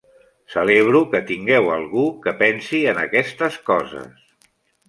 Celebro que tingueu algú que pensi en aquestes coses.